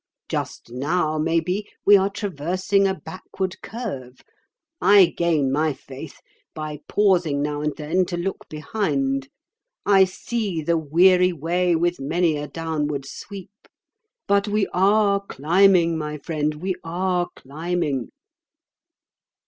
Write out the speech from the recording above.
Just now, maybe, we are traversing a backward curve. I gain my faith by pausing now and then to look behind. I see the weary way with many a downward sweep. But we are climbing, my friend, we are climbing."